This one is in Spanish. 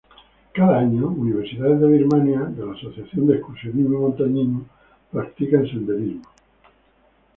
Cada año universidades de Birmania de la Asociación de Excursionismo y Montañismo practican senderismo.